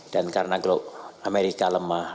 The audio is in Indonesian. dan karena amerika lemah